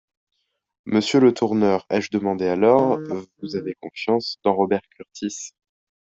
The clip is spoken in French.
Monsieur Letourneur, ai-je demandé alors, vous avez confiance dans Robert Kurtis?